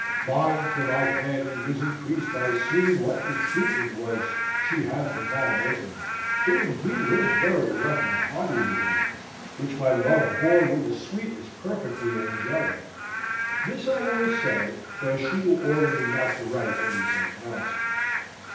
Mine for my Fanny was increased by seeing what the treatment was she had from Madam Esmond, who indeed was very rough and haughty with her, which my love bore with a sweetness perfectly angelic (this I will say, though she will order me not to write any such nonsense).